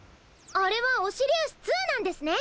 あれはオシリウス２なんですね！